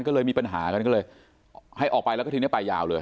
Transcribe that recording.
ก็เลยมีปัญหากันก็เลยให้ออกไปแล้วก็ทีนี้ไปยาวเลย